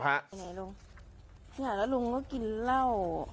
ไหนลุงไหนล่ะลุงก็กินเหล้า